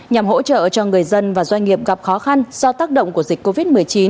nhằm hỗ trợ cho người dân và doanh nghiệp gặp khó khăn do tác động của dịch covid một mươi chín